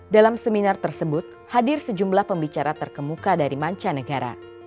dalam seminar tersebut hadir sejumlah pembicara terkemuka dari mancanegara